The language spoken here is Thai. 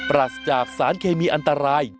รัสจากสารเคมีอันตราย